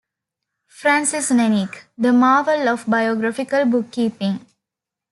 Francis Nenik: The Marvel of Biographical Bookkeeping.